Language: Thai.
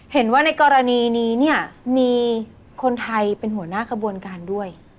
เห็นว่าในกรณีนี้เนี่ยมีคนไทยเป็นหัวหน้ากระบวนการด้วย